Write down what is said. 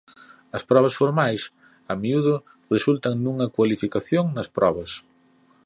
As probas formais a miúdo resultan nunha cualificación nas probas.